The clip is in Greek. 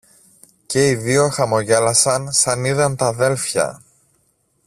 Και οι δυο χαμογέλασαν σαν είδαν τ' αδέλφια.